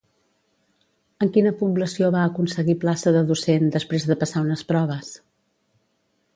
En quina població va aconseguir plaça de docent després de passar unes proves?